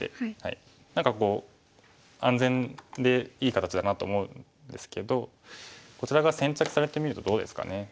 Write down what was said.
何かこう安全でいい形だなと思うんですけどこちらが先着されてみるとどうですかね。